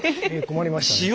困りましたね。